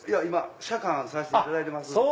今舎監させていただいてます。